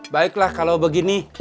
baiklah kalau begini